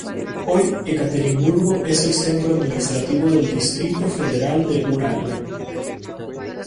Hoy Ekaterimburgo es el centro administrativo del distrito federal de Ural.